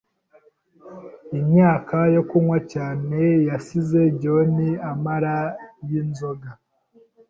Imyaka yo kunywa cyane yasize John amara yinzoga.